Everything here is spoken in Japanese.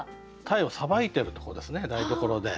鯛をさばいてるとこですね台所で。